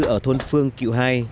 ở thôn phương cựu hai